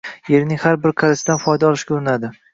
yerining har bir qarichidan foyda olishga urinadi.